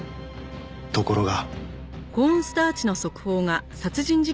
ところが。